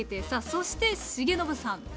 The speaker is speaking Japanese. さあそして重信さん。